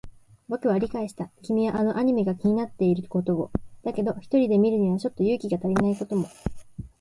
僕は理解した。君はあのアニメが気になっていることを。だけど、一人で見るにはちょっと勇気が足りないことも。